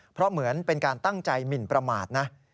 เพราะเหมือนเป็นการตั้งใจหมินประมาทนะ